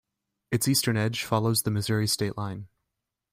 Its eastern edge follows the Missouri state line.